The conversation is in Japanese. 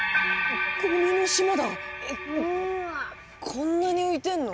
こんなに浮いてんの！？